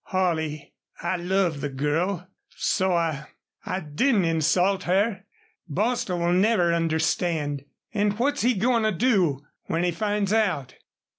"Holley, I love the girl. So I I didn't insult her. Bostil will never understand. An' what's he goin' to do when he finds out?"